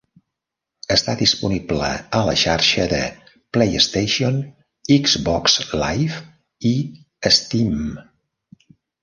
Està disponible a la xarxa de PlayStation, Xbox Live i Steam.